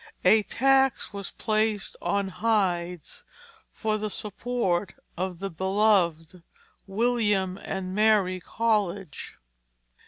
A tax was placed on hides for the support of the beloved William and Mary College.